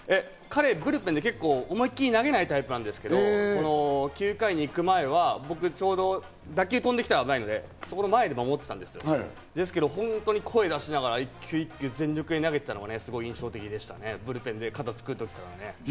彼、ブルペンで結構思い切り投げないタイプなんですけど９回に行く前は打球が飛んできたら危ないので、その前で守ってたんですけど、本当に声を出しながら、一球一球全力で投げていたのが印象的でした、ブルペンで肩を作る時からね。